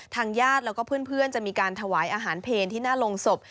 ทางญาติแล้วก็เพื่อนจะมีการถวายอาหารเพลที่หน้าโรงศพ